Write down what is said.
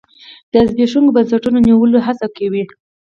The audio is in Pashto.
د زبېښونکو بنسټونو د نیولو هڅه کې وي.